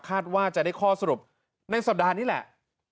ว่าจะได้ข้อสรุปในสัปดาห์นี้แหละ